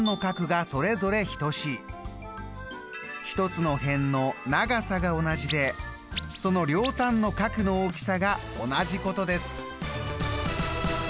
１つの辺の長さが同じでその両端の角の大きさが同じことです。